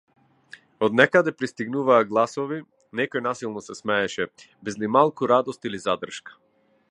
Од некаде пристигнуваа гласови, некој насилно се смееше, без ни малку радост или задршка.